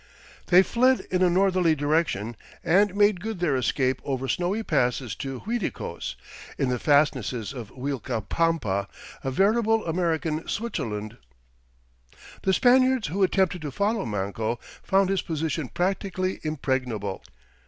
They fled in a northerly direction and made good their escape over snowy passes to Uiticos in the fastnesses of Uilcapampa, a veritable American Switzerland. FIGURE Glaciers Between Cuzco and Uiticos The Spaniards who attempted to follow Manco found his position practically impregnable.